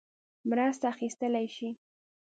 مرسته اخیستلای شي.